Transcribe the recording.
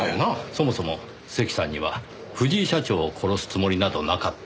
そもそも関さんには藤井社長を殺すつもりなどなかった。